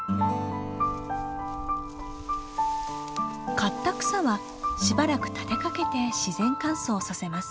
刈った草はしばらく立てかけて自然乾燥させます。